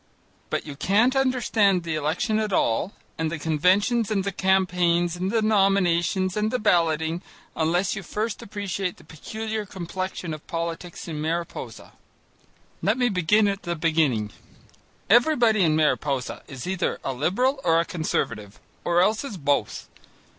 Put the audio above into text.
But you can't understand the election at all, and the conventions and the campaigns and the nominations and the balloting, unless you first appreciate the peculiar complexion of politics in Mariposa. Let me begin at the beginning. Everybody in Mariposa is either a Liberal or a Conservative or else is both.